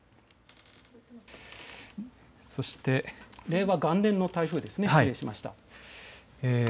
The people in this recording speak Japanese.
令和元年の台風ですね、失礼しました。